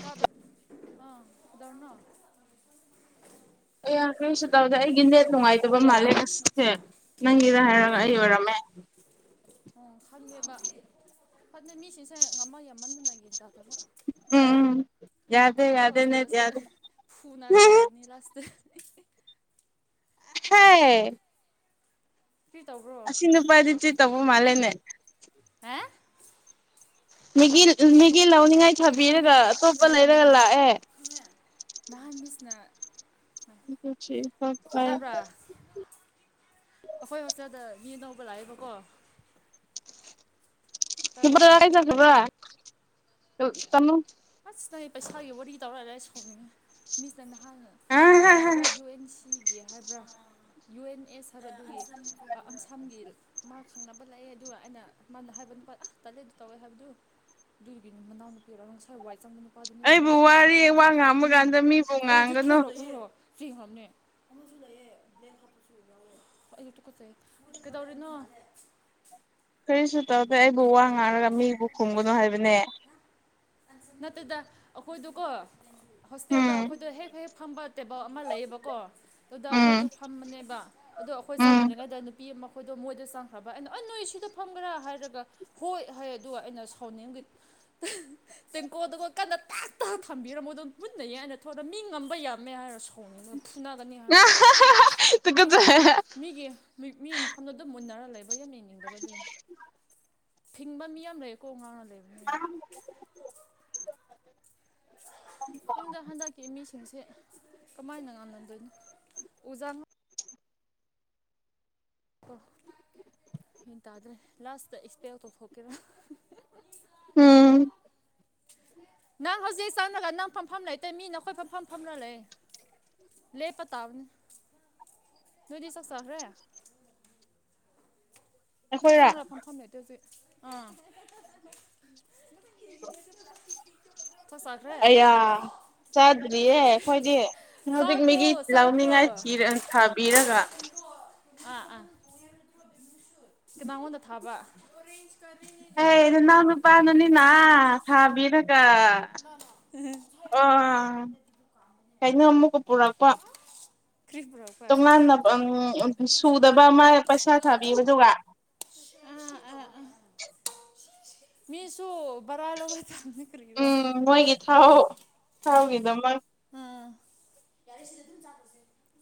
ꯇ ꯑꯥ ꯗꯔꯅꯣ ꯑꯦ ꯀꯔꯤꯁꯨ ꯇꯧꯗꯦ ꯑꯩꯒꯤ ꯅꯦꯠ ꯅꯨꯡꯉꯥꯏꯇꯕ ꯃꯥꯜꯂꯦ ꯉꯁꯤꯁꯦ ꯅꯪꯒꯤꯗ ꯍꯥꯏꯔꯒ ꯑꯩ ꯑꯣꯏꯔꯝꯃꯦ [unintelligible] ꯎ ꯈꯜꯂꯦꯕ ꯐꯅ ꯃꯤꯁꯤꯡꯁꯦ ꯉꯝꯃ ꯉꯝꯃꯟꯗꯨꯅꯒꯤꯅꯤ ꯎꯝ ꯌꯥꯗꯦ ꯍꯣꯏ ꯌꯥꯗꯦ ꯅꯦꯠ ꯍꯣꯁꯇꯦꯜꯁꯦ ꯌꯥꯗꯦ ꯐꯨꯅꯂꯣꯅꯤ ꯂꯥꯁꯇ ꯁꯥꯏ ꯀ꯭ꯔꯤ ꯇꯧꯕ꯭ꯔꯣ ꯑꯁꯤ ꯅꯨꯄꯥꯗꯤ ꯆꯤ ꯇꯧꯕ ꯃꯥꯜꯂꯦꯅꯦ ꯍꯥ ꯃꯤꯒꯤ ꯃꯤꯒꯤ ꯂꯧꯅꯤꯡꯉꯥꯏ ꯑꯩ ꯊꯥꯕꯤꯔꯒ ꯈꯪꯉꯦ ꯑꯇꯣꯞꯄ ꯂꯩꯔꯒ ꯂꯥꯛꯑꯦ ꯅꯍꯥꯟꯕꯤꯁꯅ ꯇꯥꯕ꯭ꯔꯥ ꯑꯩꯈꯣꯏ ꯍꯣꯁꯇꯦꯜꯗ ꯌꯦ ꯇꯧꯕ ꯂꯥꯛꯑꯦꯕꯀꯣ ꯇꯥꯕ꯭ꯔꯥ ꯁꯤꯕ꯭ꯔꯖ ꯁꯕ꯭ꯔ ꯇꯃꯣ ꯃꯤꯁꯇꯪ ꯄꯩꯁꯥꯒꯤ ꯋꯥꯔꯤ ꯇꯧꯔꯛꯑꯒ ꯁꯥꯎꯅꯤꯡꯉꯦ ꯃꯤꯁꯇꯪ ꯅꯍꯥꯟ ꯀꯔꯤꯔꯥ ꯌꯨ ꯑꯦꯟ ꯁꯤ ꯒꯤ ꯍꯥꯏꯕ꯭ꯔꯥ ꯌꯨ ꯑꯦꯟ ꯑꯦꯁ ꯍꯥꯏꯕꯗꯨꯒꯤ ꯑꯟꯁꯥꯝꯒꯤ ꯃꯥꯁꯤꯡꯅ ꯂꯥꯛꯑꯦ ꯑꯗꯨꯒ ꯑꯩꯅ ꯃꯥꯅ ꯍꯥꯏꯕ ꯅꯨꯄꯥ ꯑꯁ ꯇꯠꯂꯦ ꯑꯗꯨ ꯇꯧꯋꯦ ꯍꯥꯏꯕꯗꯨ ꯨꯔꯤꯕꯤꯅꯤ ꯃꯅ ꯄꯦꯔꯅ ꯁ ꯅꯨꯄꯥꯗꯨꯅꯦ ꯑꯩꯕꯨ ꯃꯃꯤ ꯁꯨꯃꯥꯏꯅ ꯋꯥꯔꯤ ꯋꯥ ꯇꯧꯕ ꯉꯥꯡꯕ ꯎꯝ ꯀꯥꯟꯗ ꯃꯤꯕꯨ ꯑꯩ ꯍꯧꯖꯤꯛ ꯉꯥꯡꯒꯅꯨ ꯊꯣꯣ ꯐ꯭ꯔꯤ ꯍꯥꯣꯝꯅꯦ ꯑꯩꯛꯇ ꯀꯠꯆꯩ ꯀꯩꯗꯧꯔꯤꯦꯅꯣ [unintelligible] ꯀꯔꯤꯁꯨ ꯇꯧꯗꯦ ꯑꯩꯕꯨ ꯋꯥ ꯉꯥꯡꯔꯒ ꯃꯤꯕꯨ ꯈꯨꯝꯕꯅꯣ ꯍꯥꯏꯕꯅꯦ ꯅꯠꯇꯗ ꯑꯩꯈꯣꯏꯗꯨꯀꯣ ꯍꯣꯁꯇꯦꯜꯗ ꯎꯝ ꯑꯩꯈꯣꯏꯗ ꯍꯦꯛ ꯍꯦꯛ ꯐꯝꯕ ꯇꯦꯕꯜ ꯑꯃ ꯂꯩꯌꯦꯕꯀꯣ ꯑꯗꯨꯗ ꯑꯩꯈꯣꯏꯗꯣ ꯎꯝ ꯐꯝꯕꯅꯦꯕ ꯑꯗꯣ ꯑꯩꯈꯣꯏ ꯎꯝ ꯆꯪꯗ꯭ꯔꯤꯉꯩꯗ ꯅꯨꯄꯤ ꯑꯃ ꯑꯩꯈꯣꯏꯗꯣ ꯃꯣꯏꯗ ꯆꯪꯈ꯭ꯔꯕ ꯑꯗꯣ ꯑ ꯅꯣꯏ ꯁꯤꯗ ꯐꯪꯒ꯭ꯔꯥ ꯍꯥꯏꯔꯒ ꯍꯣꯏ ꯍꯥꯏ ꯑꯗꯨꯒ ꯑꯩꯅ ꯁꯥꯎꯅꯤꯡꯦꯝꯒꯤ ꯇꯦꯡꯀꯣꯗꯒ ꯀꯟꯅ ꯇꯥꯛ ꯇ ꯊꯝꯕꯤꯔꯝꯃꯣꯏ ꯑꯗꯨꯝ ꯃꯨꯠꯟꯅꯩ ꯍꯥꯏꯅ ꯊ ꯃꯤ ꯉꯝꯕ ꯌꯥꯝꯃꯦ ꯍꯥꯏꯔ ꯁꯥꯎꯅꯤꯡꯕ ꯐꯨꯅꯒꯅꯤ ꯍꯥꯏꯔ ꯑꯀ ꯃꯤꯒꯤ ꯃꯤ ꯃꯐꯝꯗꯣ ꯑꯗꯨꯝ ꯃꯨꯟꯅꯔ ꯂꯩꯕ ꯌꯥꯝ ꯌꯦꯡꯅꯤꯡꯗꯕ ꯑꯗꯨꯅꯦ ꯊꯤꯡꯕ ꯃꯤ ꯌꯥꯝ ꯂꯩꯌꯦꯀꯣ ꯉꯥꯡꯅꯗ ꯑ ꯍꯪꯗꯛ ꯍꯟꯗꯛꯀꯤ ꯃꯤꯁꯤꯡꯁꯦ ꯀꯃꯥꯏꯅ ꯉꯝꯅꯗꯣꯏꯅꯣ ꯑꯣꯖꯥ ꯣ ꯍ ꯇꯥꯗ꯭ꯔꯦ ꯂꯥꯁꯇ ꯏꯁꯄꯦ ꯇꯧꯊꯣꯛꯀꯦꯔꯥ ꯎꯝ ꯅꯪ ꯍꯧꯖꯤꯛ ꯆꯪꯉꯒ ꯅꯪ ꯐꯝꯐꯝ ꯂꯩꯇꯩ ꯃꯤ ꯅꯈꯣꯏ ꯐꯝꯐꯝ ꯐꯝꯅ ꯂꯩ ꯂꯩꯦ ꯄꯇꯥ ꯅꯗꯤ ꯁꯁ ꯍꯔ ꯅꯣꯏ ꯑꯩꯈꯣꯏꯔ ꯆꯥꯡꯗꯛꯐꯝꯝꯐꯝ ꯅꯠꯇꯦ ꯍꯧꯖꯤꯛ ꯑꯥ ꯍ ꯊꯁꯈ꯭ꯔꯦ ꯆꯥꯗ꯭ꯔꯤꯌꯦ ꯑꯩꯈꯣꯏꯗꯤ ꯍꯧꯖꯤꯛ ꯆꯥꯈ꯭ꯔꯣ ꯃꯤꯒꯤ ꯆꯥꯈ꯭ꯔꯣ ꯂꯧꯅꯤꯡꯉꯥꯏ ꯊꯥꯕꯤꯔꯒ ꯑꯥ ꯑꯥ ꯀ ꯅꯉꯣꯟꯗ ꯊꯥꯕ ꯍ ꯅꯪ ꯅꯨꯄꯥꯗꯨꯅꯤꯅ ꯁꯥꯥꯕꯤꯔꯒ ꯑ ꯀꯩꯅꯣ ꯑꯃꯨꯛꯀ ꯄꯨꯔꯛꯄ ꯀ꯭ꯔꯤ ꯄꯨꯔꯛꯄ꯭ꯔꯥ ꯑꯥ ꯇꯣꯉꯥꯟꯅ ꯁꯨꯗꯕ ꯑꯃ ꯄꯩꯁꯥ ꯊꯥꯕꯤ ꯑꯗꯨꯒ [inaudible] ꯃꯤꯁꯨꯨ ꯎꯝ ꯃꯣꯏꯒꯤ ꯊꯥꯎ ꯊꯥꯎꯒꯤꯗꯃꯛ ꯑꯥ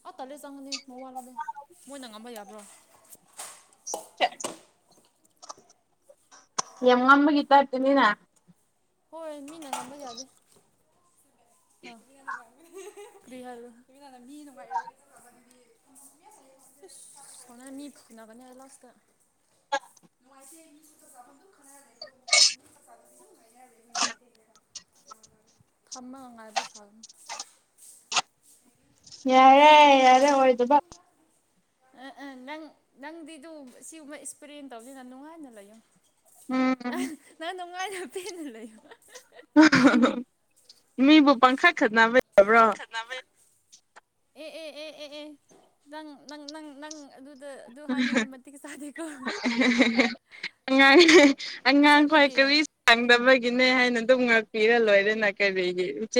ꯑ ꯇꯠꯂꯦ ꯆꯪꯉꯅꯤ ꯃ ꯋꯥꯠꯂꯅꯦ ꯃꯣꯏꯅ ꯉꯝꯕ ꯌꯥꯗ꯭ꯔꯣ ꯆꯠ ꯌꯥꯝ ꯉꯃꯒꯤ ꯇꯇꯅꯤꯅ ꯍꯣꯏ ꯃꯃꯤꯅꯥ ꯂꯥꯡꯝꯕ ꯆꯗꯦ ꯑ ꯀꯔꯤꯍꯅꯨꯡꯉ ꯁꯅꯥ ꯃꯤ ꯐꯅꯥ ꯀꯅꯤ ꯑꯂꯥꯁꯇ ꯅꯨꯡꯉꯥꯏꯇꯦ ꯃꯤ ꯆꯥꯐꯝꯗ ꯈꯦ ꯊꯝꯕ ꯉ ꯉꯥꯏꯕ ꯁꯥꯒ ꯌꯥꯔꯦ ꯌꯥꯔꯦ ꯑꯣꯏꯗꯕ ꯑ ꯑ ꯅꯪ ꯅꯪꯗꯤꯗꯨ ꯁꯤꯒꯨꯝꯕ ꯏꯁꯄ꯭ꯔꯦ ꯇꯧꯅꯤꯅ ꯅꯨꯡꯉꯥꯏꯅ ꯂꯩꯌꯨ ꯎꯝ ꯅꯪ ꯅꯪ ꯅꯨꯡꯉꯥꯏꯅ ꯄꯦꯟꯅ ꯂꯩ ꯃꯤꯕꯨ ꯄꯪꯈꯥ ꯈꯗꯅꯥꯃꯦ ꯑꯦ ꯑꯦ ꯑꯦ ꯑꯦ ꯑꯦ ꯅꯪ ꯅꯪ ꯅꯪ ꯅꯪ ꯑꯗꯨ ꯑꯗꯨꯗ ꯑꯗꯨ ꯍꯥꯏꯅꯤꯡꯉꯥꯏ ꯃꯇꯤꯛ ꯆꯥꯗꯦꯀꯣ ꯑꯉꯥꯡ ꯅꯆꯦ ꯑꯉꯥꯡ ꯈ꯭ꯋꯥꯏ ꯈꯣꯏꯗꯤ ꯀꯔꯤ ꯁꯥꯡꯗꯕꯒꯤꯅꯦ ꯍꯥꯏꯅ ꯄꯤꯔꯂꯣ ꯑꯗꯨꯗꯅꯅꯥ ꯀꯔꯤꯗꯤ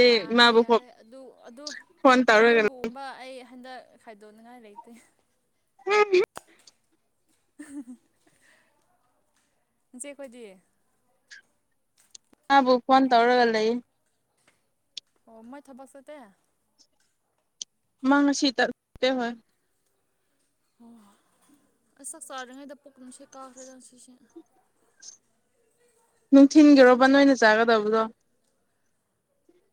ꯌꯥꯔꯦ ꯌꯥꯔꯦ ꯑꯗꯨ ꯑꯗꯨ ꯐꯣꯟ ꯇꯧꯔꯒ ꯑꯗꯨꯝꯕꯒꯨꯝꯕ ꯑꯩ ꯍꯟꯗꯛ ꯈꯥꯏꯗꯣꯛꯅꯤꯉꯥꯏ ꯂꯩꯇꯦ ꯍꯝ ꯆꯦ ꯀꯗꯤ ꯃꯥꯕꯨ ꯐꯣꯟ ꯇꯧꯔꯒ ꯂꯩ ꯑꯣ ꯃꯣꯏ ꯊꯕꯛꯁꯦꯠꯇ ꯃꯥꯥꯡꯁꯤ ꯇꯠꯇ ꯍꯣꯏ [inaudible] ꯑꯩ ꯆꯥꯛ ꯆꯥꯔꯤꯉꯩꯗ ꯄꯨꯛ ꯅꯨꯡꯁꯦ ꯀꯥꯈ꯭ꯔꯦꯗ ꯁꯤꯁꯦ ꯅꯨꯡꯊꯤꯤꯟꯒꯤꯔꯣ ꯕꯟ ꯑꯣꯏꯅ ꯆꯥꯒꯗꯕꯗꯣ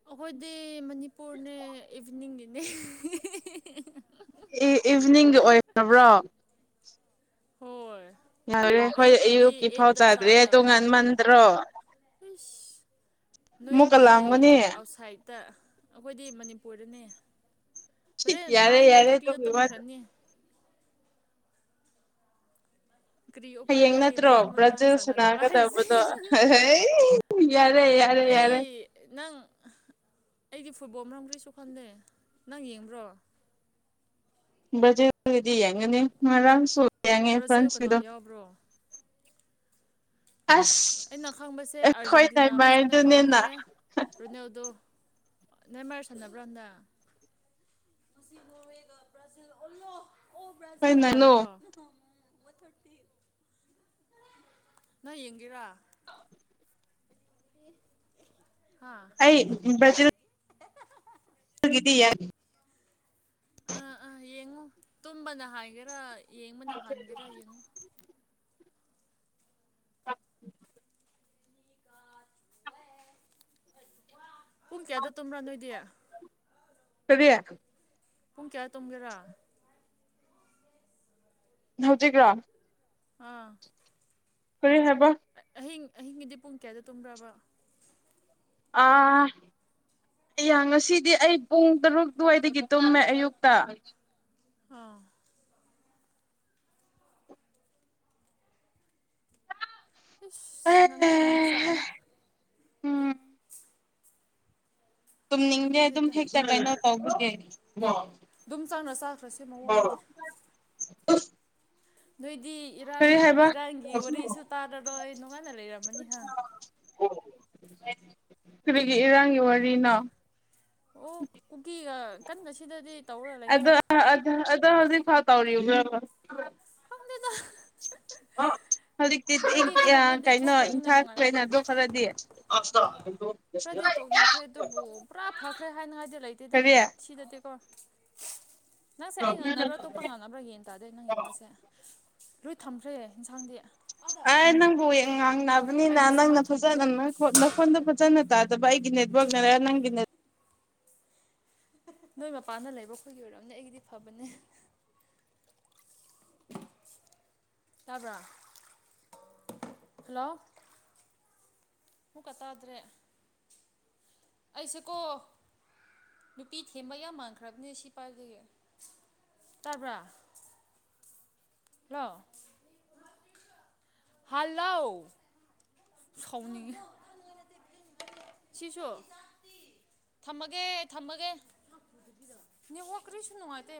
ꯑꯩꯈꯣꯏꯗꯤ ꯃꯅꯤꯄꯨꯔꯅꯦ ꯏꯚꯤꯅꯤꯡꯒꯤꯅꯦ ꯏꯚꯤꯅꯤꯡꯒꯤ ꯑꯣꯏꯈ꯭ꯔꯕ꯭ꯔꯣ ꯍꯣꯏ ꯌꯦ ꯑꯩꯈꯣꯏ ꯑꯌꯨꯛꯀꯤꯗꯤ ꯑꯌꯨꯛꯀꯤ ꯐꯥꯎ ꯑꯩꯠꯇ ꯆꯥꯗ꯭ꯔꯦ ꯆꯥꯒꯗꯕꯅꯦ ꯇꯣꯉꯥꯟ ꯃꯟꯗ꯭ꯔꯣ ꯏꯁ ꯅꯣꯏꯗꯤ ꯑꯥꯎꯠꯁꯥꯏꯠꯇ ꯑꯩꯈꯣꯏꯗꯤ ꯃꯅꯤꯄꯨꯔꯗꯅꯦ ꯁꯤ ꯍꯣꯔꯦꯟ ꯌꯥꯔꯦ ꯅꯥꯏꯟ ꯅꯥꯏꯟ ꯌꯥꯔꯦ ꯊꯥꯔꯇꯤꯗ ꯑꯗꯨꯒꯤ ꯋꯥꯗꯣ ꯇꯨꯝꯈ꯭ꯔꯅꯤ ꯀꯔꯤ ꯎꯄꯥꯏ ꯍꯌꯦꯡ ꯂꯩ ꯅꯠꯇ꯭ꯔꯣ ꯃꯇꯝ ꯃꯇꯥꯡ ꯕ꯭ꯔꯥꯖꯤꯜ ꯆꯥꯟꯅꯗꯕ ꯍꯥꯏꯁꯦ ꯁꯥꯟꯅꯒꯗꯕꯗꯣ ꯌꯥꯔꯦ ꯌꯥꯔꯦ ꯑꯩ ꯌꯥꯔꯦ ꯅꯪ ꯑꯩꯗꯤ ꯐꯨꯠꯕꯣꯜ ꯃꯔꯝ ꯀꯔꯤꯁꯨ ꯈꯟꯗꯦ ꯅꯪ ꯌꯦꯡꯕ꯭ꯔꯣ ꯕꯖꯦꯠꯇꯒꯤꯗꯤ ꯌꯦꯡꯒꯅꯤ ꯉꯔꯥꯡꯁꯨꯨ ꯌꯦꯡꯉꯦ ꯕ꯭ꯔꯥꯖꯤꯜ ꯀꯅꯥ ꯐ꯭ꯔꯟꯁꯀꯤꯗꯣ ꯌꯥꯎꯕ꯭ꯔꯣ ꯑꯩꯅ ꯈꯪꯕꯁꯦ ꯑꯩꯈꯣꯏ ꯑꯥꯔꯖꯦꯟꯇꯤꯅꯥ ꯐꯖꯅ ꯅꯦꯃꯥꯔꯗꯨꯅꯦꯅ ꯈꯪꯉꯦ ꯔꯣꯅꯦꯜꯗꯣ ꯅꯦꯃꯥꯔ ꯁꯥꯅꯕꯔꯥ ꯍꯟꯗꯥꯛ ꯑꯩꯈꯣꯏ ꯄꯨꯡ ꯅꯅꯨ ꯀꯌꯥꯗꯔꯣ ꯅꯣꯢ ꯌꯦꯡꯒꯦꯔꯥ ꯍꯥ ꯑꯩ ꯍꯪꯒꯗ ꯌꯥꯦ [inaudible] [unintelligible] ꯌꯦꯡꯉꯨ ꯇꯨꯝꯕꯅ ꯍꯥꯏꯒꯦꯔꯥ ꯌꯦꯡꯕꯅ ꯍꯟꯒꯦꯔꯥ ꯌꯦꯡꯉꯨ [unintelligible] ꯄꯨꯡ ꯀꯌꯥꯗ ꯇꯨꯝꯕ꯭ꯔꯥ ꯅꯣꯏꯗꯤ ꯀꯔꯤ ꯄꯨꯡ ꯀꯌꯥ ꯇꯨꯝꯒꯦꯔꯥ ꯍꯧꯖꯤꯛꯂꯥ ꯑꯥ ꯀꯥꯔꯤ ꯍꯥꯏꯕ ꯑꯍꯤꯡ ꯑꯍꯤꯡꯒꯤꯗꯤ ꯄꯨꯡ ꯀꯌꯥꯗ ꯇꯨꯝꯕ꯭ꯔꯕ ꯑꯥ ꯌꯥ ꯉꯁꯤꯗꯤ ꯑꯩ ꯄꯨꯡ ꯇꯔꯨꯛ ꯑꯗꯨꯋꯥꯏꯗꯒꯤ ꯇꯨꯝꯃꯦ ꯑꯌꯨꯛꯇ ꯑꯥ ꯏꯁꯁ ꯉꯪꯗꯤ ꯉꯟꯕꯖꯥꯠꯅꯦ ꯎꯝ ꯇ ꯅꯤꯡꯒꯦ ꯑꯗꯨꯝ ꯈꯪꯗꯦꯗ ꯍꯦꯛ ꯆꯔꯥꯏꯅ ꯇꯥꯎꯕꯒꯦ [inaudible] ꯑꯗꯨꯝ ꯆꯪꯑꯒ ꯆꯈꯔ꯭ꯁꯤ ꯃꯋꯥ ꯂꯧꯗꯦ ꯑ [inaudible] ꯅꯣꯏꯗꯤ ꯏꯔꯥꯡ ꯏꯔꯥꯡꯒꯤ ꯋꯥꯔꯤꯁꯨ ꯇꯥꯔꯔꯣꯏ ꯅꯣꯡꯉꯥꯟꯅ ꯂꯩꯔꯝꯃꯅꯤꯍ ꯀꯔꯤꯒꯤ ꯏꯔꯥꯡꯒꯤ ꯋꯥꯔꯤꯅꯣ ꯑꯣ ꯀꯨꯀꯤꯒ ꯀꯟꯅ ꯁꯤꯗꯗꯤ ꯇꯧꯔ ꯂꯩꯅ ꯑ ꯑꯗꯣ ꯍꯧꯖꯤꯛꯐꯥꯎ ꯇꯧꯔꯤꯕꯔꯣ ꯈꯪꯗꯦꯗꯥ ꯑ [unintelligible] ꯍꯧꯖꯤꯛꯇꯤ ꯀꯩꯅꯣ ꯊꯣꯛꯈ꯭ꯔꯕꯅꯤꯅ ꯅꯨꯡꯉꯥꯏꯔꯅꯤ ꯏꯪꯊꯥꯈ꯭ꯔꯦꯅꯗ ꯈꯔꯗꯤ [inaudible] ꯈꯔꯗꯤ ꯇꯣꯛꯅꯈ꯭ꯔꯦ ꯑꯗꯨꯕꯨ ꯄꯨꯔꯥ ꯐꯈ꯭ꯔꯦ ꯍꯥꯏꯅꯉꯥꯏꯗꯤ ꯂꯩꯇꯦꯗ ꯀꯔꯤ ꯁꯤꯗꯗꯤꯀꯣ ꯅꯪꯁꯦ ꯑꯩ ꯉꯝꯅꯕ꯭ꯔꯥ ꯑꯇꯣꯞꯄ ꯉꯝꯅꯕ꯭ꯔꯥꯒꯦꯅ ꯇꯥꯗꯦ ꯅꯪꯒꯤ ꯋꯥꯁꯦ ꯂꯣꯏ ꯊꯝꯈ꯭ꯔꯦ ꯌꯦꯟꯁꯥꯡꯗꯤ ꯑꯩ ꯅꯪꯕꯨ ꯉꯥꯡꯅꯕꯅꯤꯅ ꯑꯩꯅ ꯅꯪꯅ ꯁꯨꯃꯥꯏꯅ ꯊꯝꯕꯤꯕ ꯐꯖꯅ ꯅꯣꯈꯣꯟꯗꯣ ꯐꯖꯅ ꯇꯥꯗꯕ ꯑꯩꯒꯤ ꯅꯦꯠꯋꯥꯛꯅꯔ ꯅꯪꯒꯤꯅꯔ ꯅꯣꯏ ꯃꯄꯥꯟꯗ ꯂꯩꯕ ꯑꯩꯈꯣꯏꯒꯤ ꯑꯣꯏꯔꯝꯅꯦ ꯑꯩꯒꯤꯗꯤ ꯐꯕꯅꯦ ꯇꯥꯕ꯭ꯔꯥ ꯍꯜꯂꯣ ꯑꯃꯨꯛꯀꯥ ꯇꯥꯗ꯭ꯔꯦ ꯑꯁꯤꯀꯣ ꯅꯨꯄꯤ ꯊꯦꯝꯕ ꯌꯥꯝ ꯃꯥꯟꯈ꯭ꯔꯕꯅꯤ ꯁꯤ ꯄꯥꯏꯕꯒꯤ ꯇꯥꯕ꯭ꯔ ꯂꯦꯜꯂꯣ ꯍꯜꯂꯣ ꯁꯤꯁꯨ ꯊꯝꯃꯒꯦ ꯊꯝꯃꯒꯦ ꯅꯤꯡ ꯍ ꯀꯔꯤꯁꯨꯅꯅꯨꯡꯉꯇꯦ